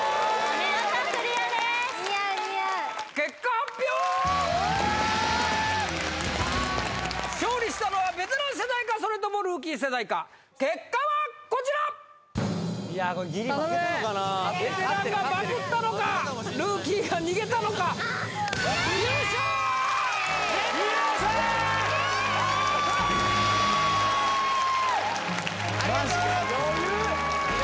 見事クリアです似合う似合う結果発表勝利したのはベテラン世代かそれともルーキー世代か結果はこちら・これギリ負けたのかなベテランがまくったのかルーキーが逃げたのか優勝はベテランチームありがとう余裕